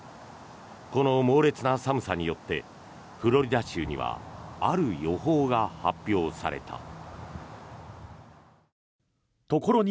この猛烈な寒さによってフロリダ州にはある予報が発表された。